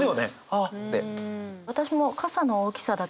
「ああ」って。